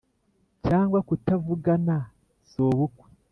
cyangwa kutavugana sobukwe